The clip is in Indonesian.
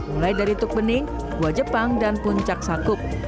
mulai dari tukbening gua jepang dan puncak sakup